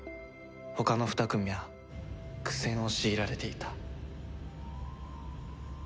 他の２組は苦戦を強いられていた。